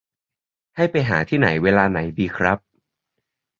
ให้ไปหาที่ไหนเวลาไหนดีครับ